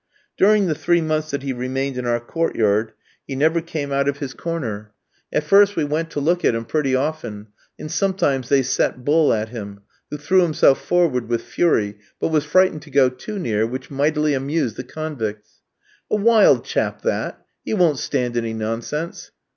During the three months that he remained in our court yard he never came out of his corner. At first we went to look at him pretty often, and sometimes they set Bull at him, who threw himself forward with fury, but was frightened to go too near, which mightily amused the convicts. "A wild chap that! He won't stand any nonsense!"